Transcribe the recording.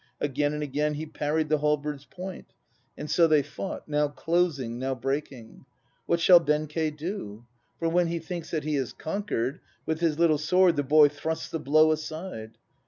Again and again he parried the halberd's point. And so they fought, now closing, now breaking. What shall Benkei do? For when he thinks that he has conquered, With his little sword the boy thrusts the blow aside.